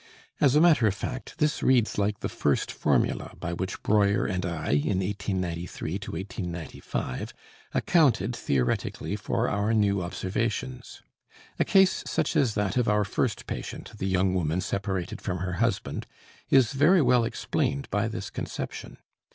As a matter of fact this reads like the first formula, by which Breuer and I, in 1893 1895, accounted theoretically for our new observations. A case such as that of our first patient, the young woman separated from her husband, is very well explained by this conception.